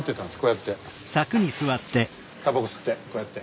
たばこ吸ってこうやって。